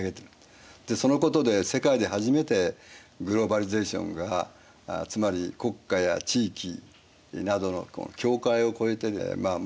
そのことで世界で初めてグローバリゼーションがつまり国家や地域などの境界をこえて結び付き